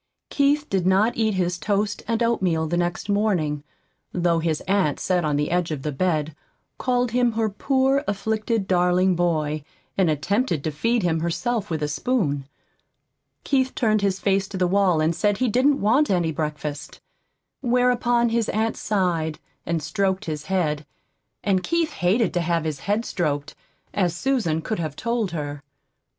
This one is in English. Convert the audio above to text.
Keith did not eat his toast and oatmeal the next morning, though his aunt sat on the edge of the bed, called him her poor, afflicted, darling boy, and attempted to feed him herself with a spoon. Keith turned his face to the wall and said he didn't want any breakfast. Whereupon his aunt sighed, and stroked his head; and Keith hated to have his head stroked, as Susan could have told her.